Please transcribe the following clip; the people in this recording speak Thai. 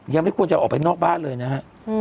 ยังไม่ควรจะออกไปนอกบ้านเลยนะฮะ